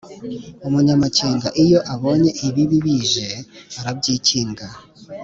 umunyamakenga iyo abonye ibibi bije arabyikinga,